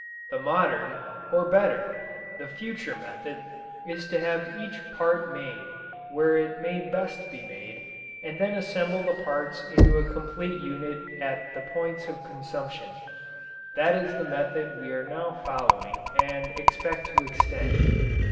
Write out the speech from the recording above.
The modern or better, the future method is to have each part made where it may best be made and then assemble the parts into a complete unit at the points of consumption. That is the method we are now following and expect to extend.